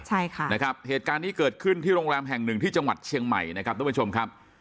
ใช่ค่ะนะครับเหตุการณ์นี้เกิดขึ้นที่โรงแรมแห่งหนึ่งที่จังหวัดเชียงใหม่นะครับทุกผู้ชมครับ